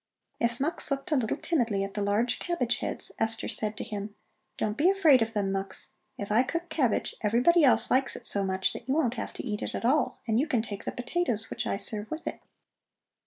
If Mux looked a little timidly at the large cabbage heads, Esther said to him: "Don't be afraid of them, Mux. If I cook cabbage, everybody else likes it so much that you won't have to eat it at all, and you can take the potatoes which I serve with it."